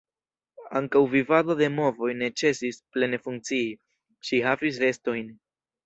Ankaŭ vidado de movoj ne ĉesis plene funkcii, ŝi havis restojn.